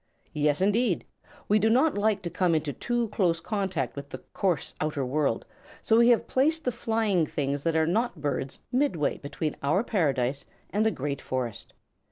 "Yes, indeed. We do not like to come into too close contact with the coarse, outer world, so we have placed the flying things that are not birds midway between our Paradise and the great forest.